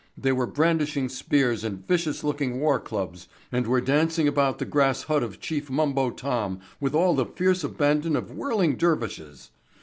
They were brandishing spears and vicious looking war clubs, and were dancing about the grass hut of Chief Mumbo Tom with all the fierce abandon of whirling dervishes.